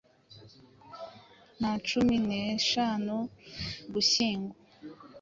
na cumi neshanu Ugushyingo